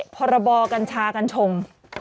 พรบกัญชากัญชง